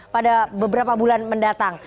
pada beberapa bulan mendatang